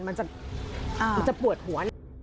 มันจะปวดหัว